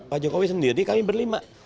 pak jokowi sendiri kami berlima